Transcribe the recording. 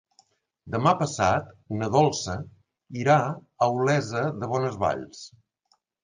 Demà passat na Dolça irà a Olesa de Bonesvalls.